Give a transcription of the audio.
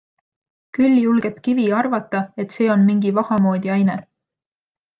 Küll julgeb Kivi arvata, et see on mingi vaha moodi aine.